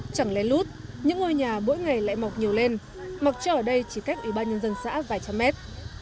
chẳng lén lút những ngôi nhà mỗi ngày lại mọc nhiều lên mọc cho ở đây chỉ cách ủy ban nhân dân xã vài trăm mét